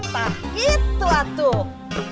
nah itu lah tuh